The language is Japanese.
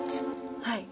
はい。